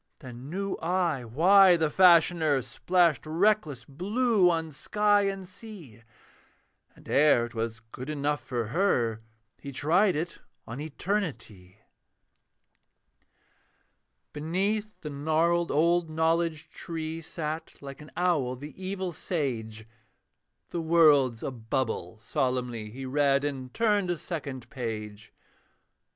Then knew I why the Fashioner Splashed reckless blue on sky and sea; And ere 'twas good enough for her, He tried it on Eternity. Beneath the gnarled old Knowledge tree Sat, like an owl, the evil sage: 'The World's a bubble,' solemnly He read, and turned a second page.